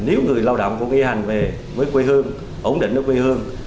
nếu người lao động cũng y hành về với quê hương ổn định ở quê hương